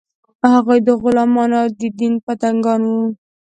هغوی د غلمانو او د دین پتنګان وو.